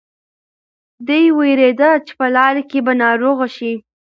دی وېرېده چې په لاره کې به ناروغه شي.